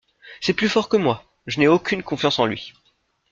C’est plus fort que moi… je n’ai aucune confiance en lui !…